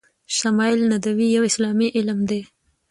شمایل ندوی یو اسلامي علم ده